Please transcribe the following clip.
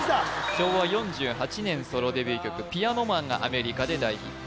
昭和４８年ソロデビュー曲「ピアノ・マン」がアメリカで大ヒット